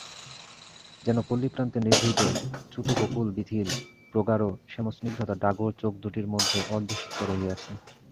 যেন পল্লীপ্রান্তের নিভৃত চুত-বকুল-বীথির প্রগাঢ় শ্যামস্নিগ্ধতা ডাগর চোখ দুটির মধ্যে অর্ধসুপ্ত রহিয়াছে।